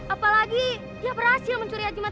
apalagi dia berhasil mencuri haji